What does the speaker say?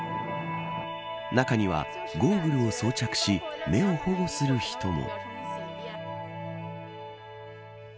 中には、ゴーグルを装着し目を保護する人も。